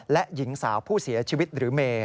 และหญิงสาวผู้เสียชีวิตหรือเม